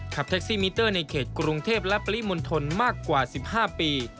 แท็กซี่มิเตอร์ในเขตกรุงเทพและปริมณฑลมากกว่า๑๕ปี